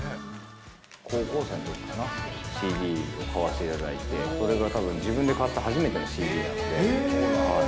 高校生のときかな、ＣＤを買わせていただいて、それがたぶん自分で買った初めてのＣＤだったので。